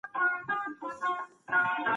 د سياسي ليډرانو کړني د ټولني راتلونکی ټاکي.